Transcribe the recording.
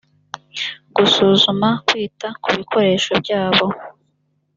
gusuzuma kwita ku bikoresho byabo